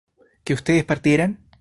¿que ustedes partieran?